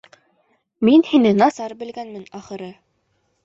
Мин һине насар белгәнмен, ахыры.